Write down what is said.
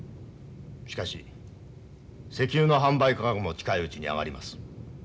しかし石油の販売価格も近いうちに上がります。